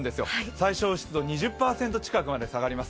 最小湿度２０％ぐらいまで下がります。